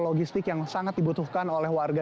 logistik yang sangat dibutuhkan oleh warga